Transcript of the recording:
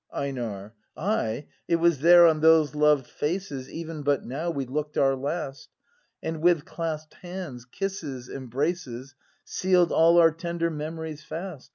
EiNAR. Av, it was there on those loved faces Even but now we look'd our last. And with clasp'd hands, kisses, embraces Seal'd all our tender memories fast!